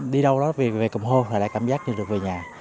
đi đâu đó về cồn hô lại lại cảm giác như được về nhà